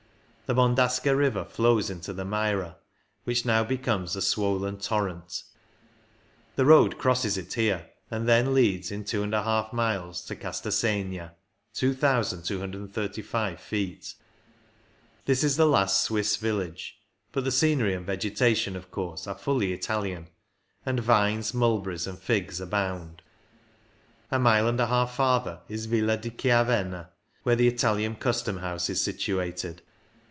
The Bondasca river flows into the Maira, which now becomes a swollen torrent ; the road crosses it here, and then leads in 2^ miles to Castasegna (2,235 ^^O ^^^^^^^^^^^^ THE MALOJA 97 Swiss village, but the scenery and vegeta tion, of course, are fully Italian, and vines, mulberries, and figs abound. A mile and a half farther is Villa di Chiavenna, where the Italian Custom house is situated.